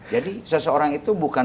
jadi seseorang itu